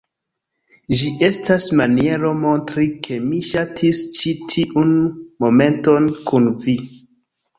Ĝi estas maniero montri ke mi ŝatis ĉi tiun momenton kun vi.